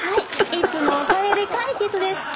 いつもお金で解決ですか。